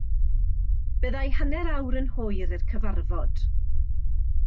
Bydda i hanner awr yn hwyr i'r cyfarfod.